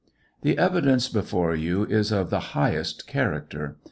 The evidence before you is of the highest character.